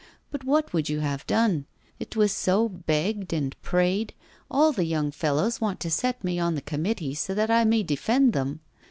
But what would you have done? I was so begged and prayed; all the young fellows want to set me on the committee, so that I may defend them.